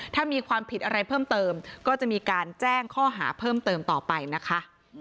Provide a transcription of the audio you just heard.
ถ้ามีความผิดอะไรเพิ่มเติมก็จะมีการแจ้งข้อหาเพิ่มเติมต่อไปนะคะ